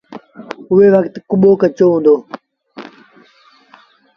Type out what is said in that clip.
اُئي وکت ڪٻو ڪچو هُݩدو۔